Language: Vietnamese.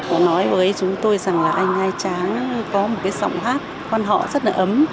có nói với chúng tôi rằng là anh hai tráng có một cái giọng hát quan họ rất là ấm